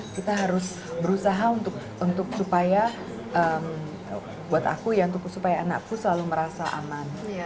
kita harus berusaha untuk supaya anakku selalu merasa aman